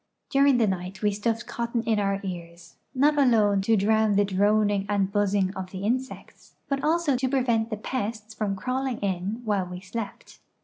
During the night we stuffed cotton in our ears, not alone to drown the droning and buzzing of the insects, but also to prevent the pests from crawl ing in while we slept.